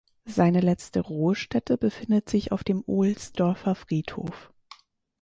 Seine letzte Ruhestätte befindet sich auf dem Ohlsdorfer Friedhof.